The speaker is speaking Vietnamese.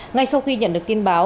ngay sau khi nhận được tin báo